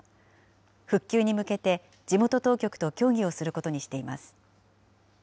復旧に向けて地元当局と協議をすることにしています。